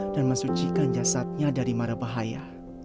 dan mensucikan jasadnya dari mara bahaya